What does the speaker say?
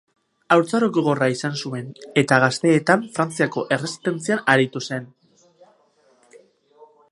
Haurtzaro gogorra izan zuen, eta gaztetan Frantziako Erresistentzian aritu zen.